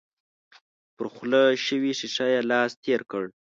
پر خوله شوې ښيښه يې لاس تېر کړ.